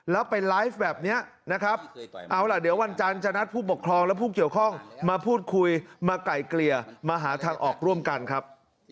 แล้วไปไลฟ์แบบนี้นะครับ